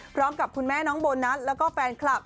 พร้อมกับคุณแม่น้องโบนัสแล้วก็แฟนคลับ